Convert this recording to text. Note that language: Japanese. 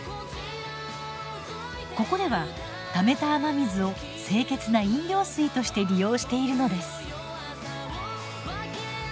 ここではためた雨水を清潔な飲料水として利用しているのです。